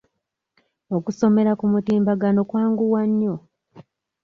Okusomera ku mutimbagano kwanguwa nnyo.